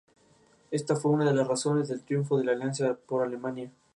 En la localidad hay una empresa de producción de hierbas orgánicas para infusiones.